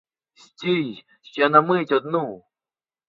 Стій, ще на мить одну!